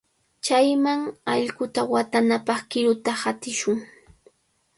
Chayman allquta watanapaq qiruta hawishun.